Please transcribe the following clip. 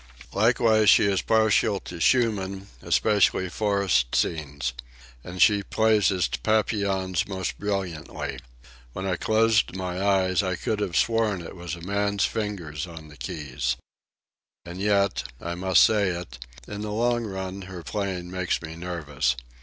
Likewise she is partial to Schumann, especially Forest Scenes. And she played his Papillons most brilliantly. When I closed my eyes I could have sworn it was a man's fingers on the keys. And yet, I must say it, in the long run her playing makes me nervous.